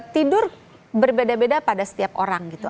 tidur berbeda beda pada setiap orang gitu